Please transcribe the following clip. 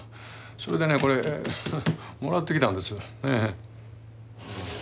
それでねこれもらってきたんです。